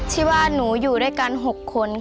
ชีวาหนูอยู่ด้วยกันหกคน